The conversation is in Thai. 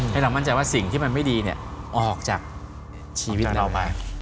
ให้เรามั่นใจว่าสิ่งที่มันไม่ดีออกจากชีวิตเราไป